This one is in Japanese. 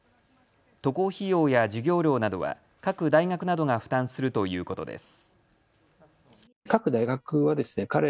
渡航費用や授業料などは各大学などが負担するということです。